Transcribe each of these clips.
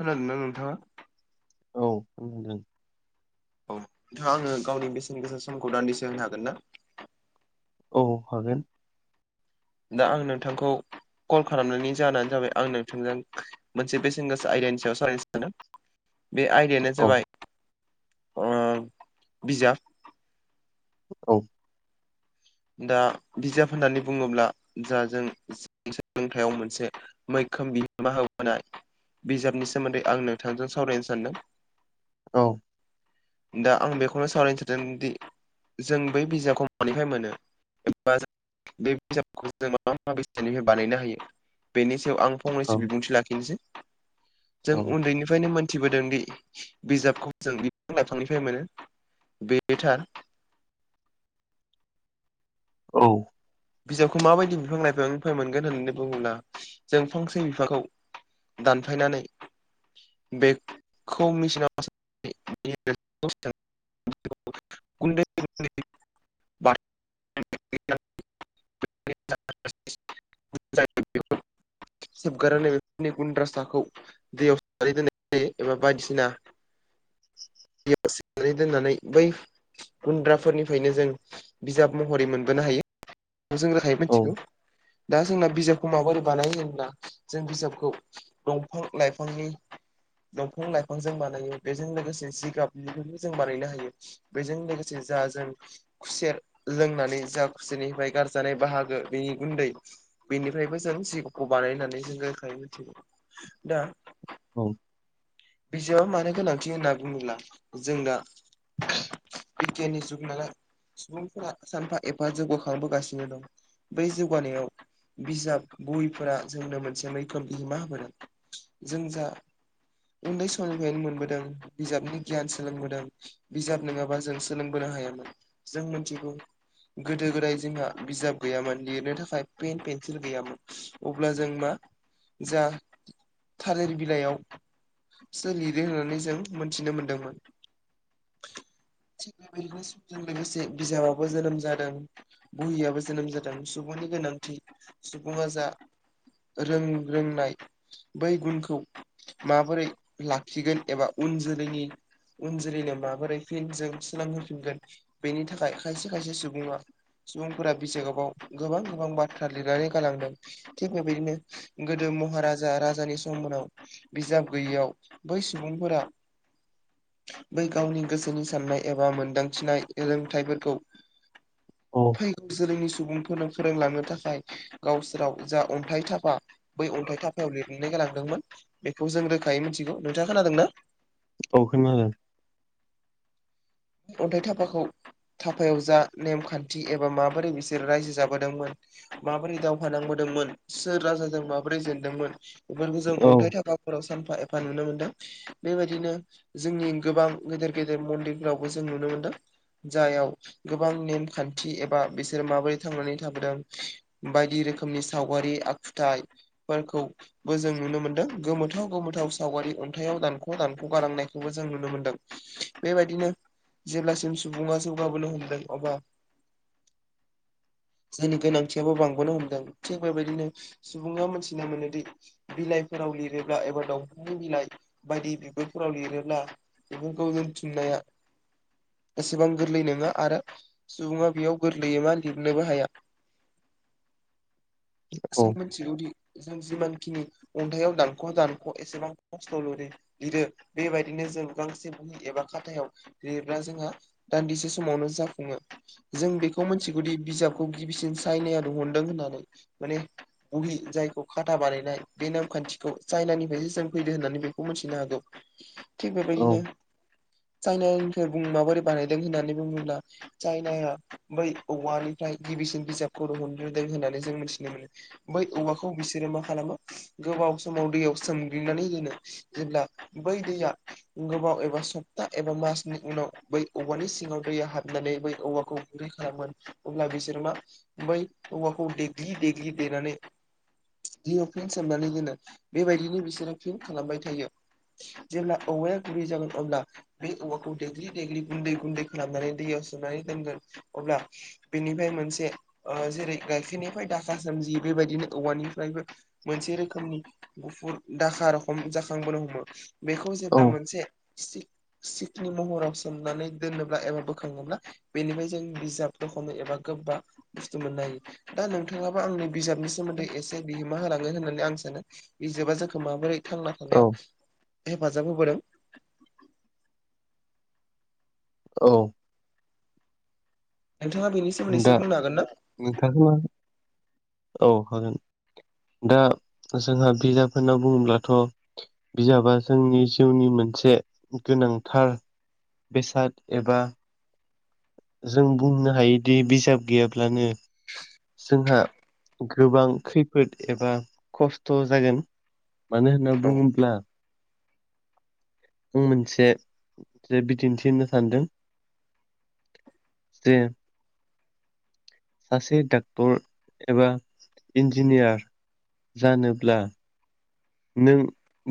खोनादोंना नोंथाङा? औ औ नोंथाङा आंनो गावनि बेसेन गोसा समखौ दान्दिसे होनो हागोन ना? औ हागोन। दा आं नोंथांखौ कल खालामनायनि जाहोनानो जाबाय आं नोंथांजों मोनसे बेसेन गोसा आयदानि सायाव सालायनो सानदों। बे आयदायानो औ जाबाय ओ बिजाब औ दा बिजाब होननानै बुङोब्ला जा जों सोलोंथाइयाव मोनसे मैखोम बिहोमा होबोनाय बिजाबनि सोमोन्दै आं नोंथांजों सावरायनो सानदों। औ दा आं बेखौनो सावरायनो थादोंदि जों बै बिजाबखौ मानिफ्राय मोनो। बे बिजाबुखौ जों मा मा बेसादनिफ्राय बानायनो हायो बेनि सायाव आं औ फंनैसो बिबुंथि लाखिनोसै जों औ उन्दैनिफ्रायनो मोन मिथिबोदोंदि बिजाबखौ जों बिफां लाइफांनिफ्राय मोनो बे थार। औ बिजाबखौ माबायदि बिफां लाइफांनिफ्राय मोनगोन होननानै बुङोब्ला जों फांसे बिफांखौ दानफायनानै बेखौ मिसिनाव [unintelligible] [unintelligible] गुन्दै [unintelligible] [unintelligible] गुन्द्रासाखौ दैयाव सोमनानै दोननाय जायो एबा बायदिसिना दैयाव सोमनानै दोननानै बै गुन्द्राफोरनिफ्रायनो जों बिजाब महरै मोनबोनो हायो। जों रोखायै औ मिथिगौ दा जोंना बिजाबखौ माबोरै बानाय होनोब्ला जों बिजाबखौ दंफां लाइफांनि दंफां लाइफांजों बानायो बेजों लोगोसे जिगाबनिबो जों बानायनो हायो। बेजों लोगोसे जा जों खुसेर लोंनानै जा खचसेनिफ्राय गारजानाय बाहागो बेनि गुन्दै बेनिफ्रायबो जों जिगखौ बानायनानै जों रोखायै मिथियो दा औ बिजाबा मानो गोनांथि होनना बुंङोब्ला जोंना बिगियाननि जुग नायला सुबुंफोरा सानफा एफा जौगाखांबोगासिनो दं बै जौगानायाव बिजाब बहिफोरा जोंनो मोनसे मैखोम बिहोमा होबोदों जों जा उन्दै समनिफ्रायनो मोनबोदों बिजाबनि गियान सोलोंबोदों बिजाब नंङाबा जों सोलोंबोनो हायामोन जों मिथिगौ गोदो गोदाय जोंहा बिजाब गैयामोन लिरनो थाखाय पेन पेेनसिल गैयामोन अब्ला जों मा जा थालिर बिलाइयाव सो लिरो होननानै जों मोनथिनो मोनदोंमोन। [inaudible] थिग बेबायदिनो समजों लोगोसे बिजाबावबो जोनोम जादों बुहुमयाबो जोनोम जादों सुबुंनि गोनांथि सुबुंङा जा रों रोंनाय बै गुनखौ माबोरै लाखिगोन एबा उन जोलैनि उन जोलैनो माबोरै फिन जों सोलोंहोफिनगोन बेनि थाखाय खायसे खायसे सुबुंङा सुबुंफोरा बिजाबाव गोबां गोबां बाथ्रा लिरनानै गालांदों। थिग बेबायदिनो गोदो महाराजा राजानि सममोननाव बिजाब गैयिआव बै सुबुंफोरा बै गावनि गोसोनि साननाय एबा मोनदांथिनाय रोंथाइफोरखौ औ जोलैनि सुबुंफोरनो फोरोंलांनो थाखाय गावसोराव जा अन्थाइ थाफा बै अन्थाइ थाफायाव लिरनानै गालांदोंमोन बेखौ जों रोखायै मिथिगौ नोंथांङा खोनादोंना। औ खोनादों अन्थाइ थाफाखौ थाफायाव जा नेमखान्थि एबा माबोरै बिसोर रायजो जाबोदोंमोन। माबोरै दावहा नांबोदोंमोन सोर राजाजों माबोरै जेनदोंमोन बेफोरखौ जों औ अन्थाइ थाफा फोराव सानफा एफा नुनो मोनदों बेबायदिनो जोंनि गोबां गेदेर गेदेर मन्दिर फोरावबो जों नुनो मोनदों जायाव गोबां नेमखान्थि एबा बिसोर माबोरै थांनानै थाबोदों बायदि रोखोमनि सावगारि आखुथाइफोरखौ बो जों नुनो मोन्दों गोमोथाव गोमोथाव सावगारि अन्थाइयाव दानख' दानख' गालांनायखौबो जों नुनो मोनदों। बेबायदिनो जेब्लासिम सुबुङा जौगाबोनो हमदों अब्ला [inaudible] जोंनि गोनांथियाबो बांबोनो हमदों थिग बेबायदिनो सुबुङा मिथिना मोनोदि बिलाइफोराव लिरोब्ला एबा दंफांनि बिलाइ बायदि बिगुरफोराव लिरोब्ला बेफोरखौ दोनथुमनाया एसेबां गोरलै नङा आरो सुबुङा बेयाव गोरलैयै मा लिरनोबो हाया। [inaudible] औ [unintelligible] मिथिगौदि जों जिमानखिनि अन्थायाइयाव दानख' दानख' एसेबां खस्थ [unintelligible] लिरो बेबायदिनो जों गांसे बहि एबा खाथायाव लिरना जोंहा दान्दिसे समावनो जाफुङो। जों बेखौ मिथिगौदि बिजाबखौ गिबिसिन सायनाया दिहुनदों होननानै माने बहि जायखौ खाथा बानायनाय बे नेमखान्थिखौ चाइनानिफ्रायसो जों फैदो होननानै बेखौ मिथिनो हागौ। [inaudible] थिग बेबायदिनो चाइनानिफोर माबोरै बानायदों होननानै बुङोब्ला चायनाया बै औवानिफ्राय गिबिसिन बिजाबखौ दिहुनग्रोदों होननानै जों मिथिनो मोनो। बै औवाखौ बिसोरो मा खालामो। गोबाव समाव दैयाव सोमग्लिनानै दोनो जेब्ला बै दैया गोबाव एबा सप्ता एबा मास नि उनाव बै औवानि सिङाव दैया हाबनानै बै औवाखौ गुरै खालामोन अब्ला बिसोरो मा बै औवाखौ देग्लि देग्लि देनानानै दै फिन सोमनानै दोनो बेबायदिनो बिसोरो फिन खालामबाय थायो। जेब्ला औवाया गुरै जागोन अब्ला बे औवाखौ दग्लि देग्लि गुन्दै गुन्दै खालामनानै दै सोमनानै दोनगोन अब्ला बेनिफ्राय मोनसे ओ जेरै गाइखेरनिफ्राय दाखा सोमजियो बेबायदिनो औवानिफ्रायबो मोनसे रोखोमनि गुफुर दाखा रखम जाखांबोनो हमो। बेखौ औ जेब्ला मोनसे सि सि नि महराव सोमनानै दोनोब्ला एबा बोखाङोब्ला बेनिफ्राय जों बिजाब दख'नो एबा गोबा बुस्थु मोनो हायो। दा नोंथाङाबो आंनि बिजाबनि सोमोन्दै एसे बिहोमा होलाङो होननानै आं सानो बिजाबा जोंखौ माबोरै थांना औ थानायाव हेफाजाब होबोदों औ नोंथाङा बेनि सोमोन्दैसो बुंनो हागोन ना? नोंथां मा औ होगोन। दा जोंहा बिजाब होनना बुंङोब्लाथ' बिजाबा जोंनि जिउनि मोनसे गोनांथार बेसाद एबा जों बुंनो हायोदि बिजाब गैयाब्लानो जोंहा गोबां खैफोद एबा खस्थ' जागोन। मानो होनना औ बुङोब्ला बेखौ मोनसे जे बिदिन्थि होनो सानदों जे सासे डाक्टर एबा इन्जिनियार जानोब्ला नों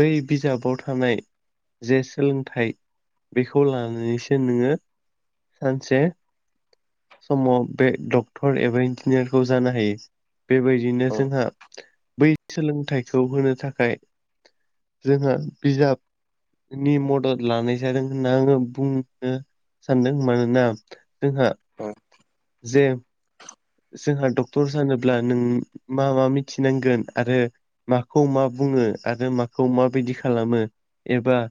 बै बिजाबाव थानाय जे सोलोंथाइ बेखौ लानानैसो नोङो सानसे समाव बे डक्टर एबा इन्जिनियार खौ जानो हायो बेबाय बिदिनो औ जोंहा बै सोलोंथाइखौ होनो थाखाय जोंहा बिजाबनि मदद लानाय जादों होनना आङो बुंनो सानदों मानोना जोंहा औ जे जोंहा डक्टर जानोब्ला नों मा मा मिथिनांगोन आरो माखौ मा बुङो आरो माखौ माबायदि खालामो एबा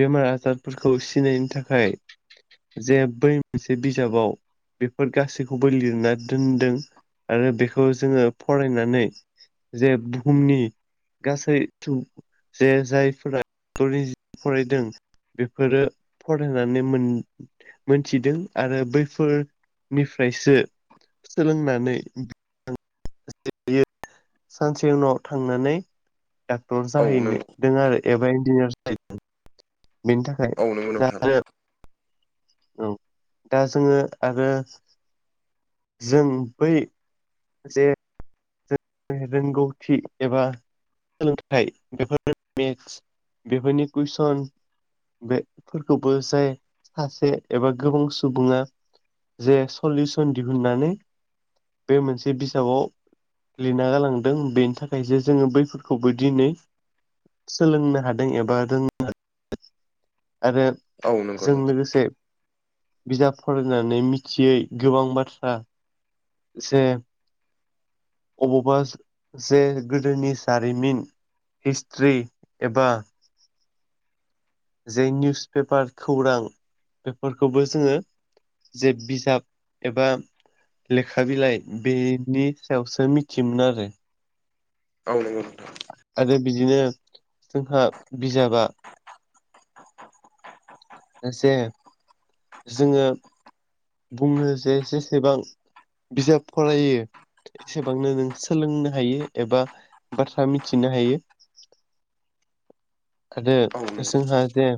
बेमार आजारफोरखौ सिनायनि थाखाय जे बै मोनसे बिजाबाव बेफोर गासैखौबो लिरना दोनदों आरो बेखौ जोङो फरायनानै जे बुहुमनि गासै सु जे जायफोरा स्कलनि [unintelligible] जि फरायदों बेफोरो फरायनानै मोन मोनथिदों आरो बैफोरनिफ्रायसो सोलोंनानै बियो सानसे उनाव थांनानै डक्टर जाहैनो दों आरो एबा इन्जिनियार जाहैदों बेनि था औ नोंगौ नोंथां औ दा जोङो आरो जों बै जे रोंगौथि एबा सोलोंथाइ बेफोर माने [unintelligible] बेफोरनि कुइसन बेफोरखौबो जाय सासे एबा गोबां सुबुङा जे सलिउसन दिहुननानै बे मोनसे बिजाबाव लिरना गालांदों बेनि थाखायसो जोङो बैफोरखौबो दिनै सोलोंनो हादों एबा रोंनो हादों [unintelligible] आरो औ जों लोगोसे बिजाब फरायनानै मिथियै गोबां बाथ्रा जे अबावबा जे गोदोनि जारिमिन हिस्ट्रि एबा जे निउस पेपार खौरां बेफोरखौबो जोङो जे बिजाब एबा लेखा बिलाइ बेनि सायावसो मिथियोमोन आरो औ नंगौ नोंथां आरो बिदिनो जोंहा बिजाबा जे जोङो बुङो जे जेसेबां बिजाब फरायो एसेबांनो नों सोलोंनो हायो एबा बाथ्रा मिथिनो हायो आरो औ नंगौ जोंहा जे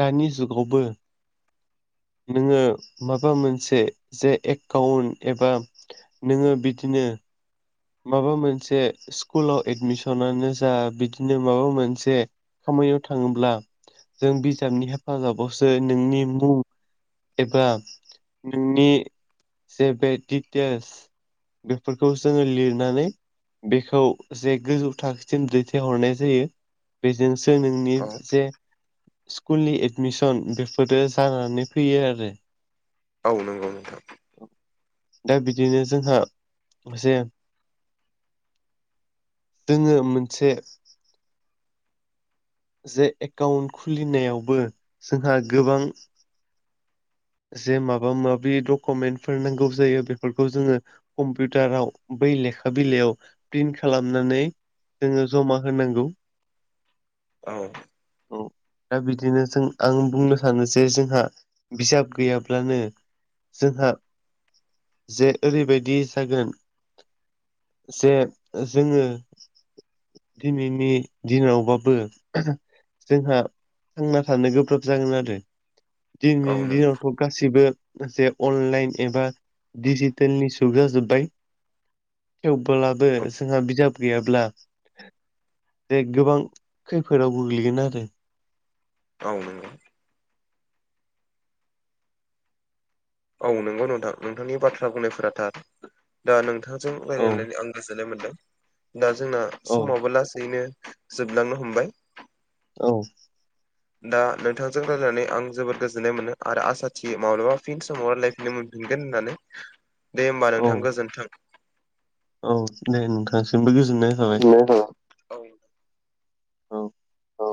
दानि जुगावबो नोङो माबा मोनसे जे एकाउन्ट एबा नोङो बिदिनो माबा मोनसे स्कुलाव एडमिसनानो जा बिदिनो माबा मोनसे खामानियाव थाङोब्ला जों बिजाबनि हेफाजाबावसो नोंनि मुं एबा नोंनि जे बे डिटेल्स बेफोरखौ जोङो लिर नानै बेखौ जे गोजौ थाखोसिम दैथायहरनाय जायो बेजोंसो नोंनि जे स्कुलनि एडमिसन बेफोरो जानानै फैयो आरो औ नंगौ नोंथां दा बिदिनो जोंहा जे जोङो मोनसे जे एकाउन्ट खुलिनायावबो जोंहा गोबां जे माबा माबि डकुमेन्टफोर नांगौ जायो बेफोरखौ जोङो कम्पिउटाराव बै लेखा बिलाइयाव प्रिन्ट खालामनानै। जोङो जमा होनांगौ आ औ। औ दा बिदिनो जों आं बुंनो सानो जे जोंहा बिजाब गैयाब्लानो जोंहा जे ओरैबादि जागोन जे जोङो दिनैनि दिनावबाबो जोंहा थांना थानो गोब्राब जागोन आरो दिनैनि औ नंगौ दिनाव गासिबो जे अनलाइन एबा दिजिटेलनि जुगा जोजोबबाय थेवबोब्लाबो जोंहा बिजाब गैयाब्ला दे गोबां खैफोदाव गोग्लैगोन आरो। औ नंगौ। औ नंगौ नोंथां नोंथांनि बाथ्रा बुंनायफोरा थार दा नोंथां। जों औ रायजलायनानै आं गोजोननाय मोन्दों दा जोंना औ समावबो लासैनो जोबलांनो हमबाय। औ। दा नोंथांजों रायजलायनानै आं जोबोद गोजोननाय मोनो आरो आसा थि माब्लाबा फिन समाव रायज्लायफिननो मोनगोन मोनगोन होननानै। [inaudible] दे होमबा औ नोंथां गोजोन्थों। औ दे नोंथांसिमबो गोजोननाय थाबाय। औ औ। औ।